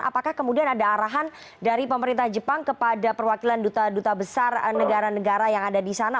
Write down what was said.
apakah kemudian ada arahan dari pemerintah jepang kepada perwakilan duta duta besar negara negara yang ada di sana